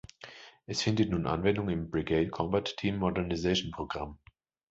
Es findet nun Anwendung im Brigade Combat Team Modernization-Programm.